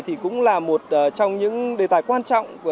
thì cũng là một trong những đề tài quan trọng